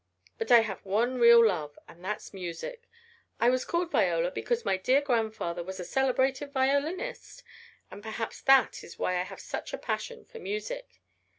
But I have one real love, and that's music. I was called Viola because my dear grandfather was a celebrated violinist, and perhaps that is why I have such a passion for music."